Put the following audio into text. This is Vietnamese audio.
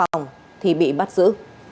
về phòng thì bị bắt giữ